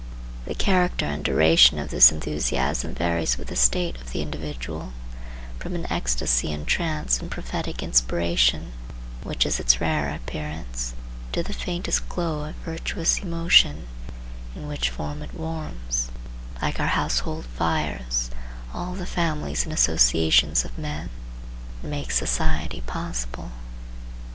The character and duration of this enthusiasm varies with the state of the individual, from an ecstasy and trance and prophetic inspiration,—which is its rarer appearance,—to the faintest glow of virtuous emotion, in which form it warms, like our household fires, all the families and associations of men, and makes society possible.